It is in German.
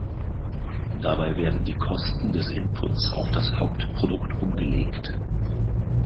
Dabei werden die Kosten des Inputs auf das Hauptprodukt umgelegt.